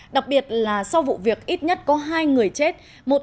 đặc biệt là sau vụ việc ít nhất có hai người chết